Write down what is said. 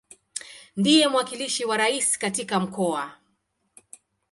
Ndiye mwakilishi wa Rais katika Mkoa.